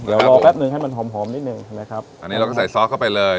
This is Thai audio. เดี๋ยวรอแป๊บนึงให้มันหอมหอมนิดหนึ่งใช่ไหมครับอันนี้เราก็ใส่ซอสเข้าไปเลย